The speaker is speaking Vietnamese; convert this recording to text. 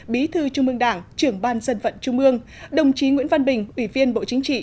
bí thư trung ương đảng trưởng ban dân vận trung mương đồng chí nguyễn văn bình ủy viên bộ chính trị